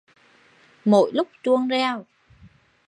Mỗi lúc chuông reo